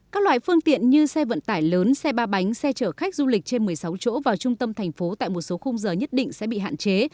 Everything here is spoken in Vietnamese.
các loại phương tiện như xe vận tải lớn xe ba bánh xe chở khách du lịch trên một mươi sáu chỗ vào trung tâm thành phố tại một số khung giờ nhất định sẽ bị hạn chế